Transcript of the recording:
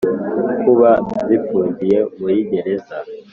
kuba zifungiye muri Gereza